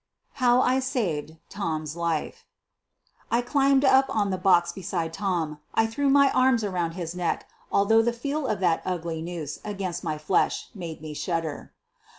HOW I SAVED TOM'S LIFE I climbed up on the box beside Tom; I threw my arms around his neck, although the feel of that ugly noose against my flesh made me shudder.